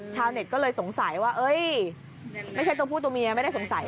ชาวเน็ตก็เลยสงสัยว่าไม่ใช่ตัวผู้ตัวเมียไม่ได้สงสัย